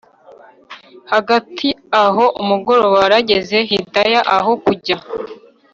hagati aho umugoroba warageze hidaya aho kujya